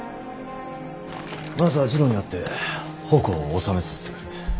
まずは次郎に会って矛を収めさせてくる。